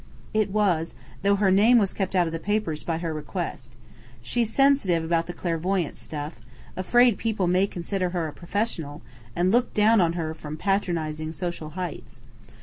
"It was, though her name was kept out of the papers by her request. She's sensitive about the clairvoyance stuff: afraid people may consider her a professional, and look down on her from patronizing social heights.